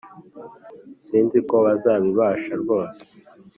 Sinziko bazabibasha rwose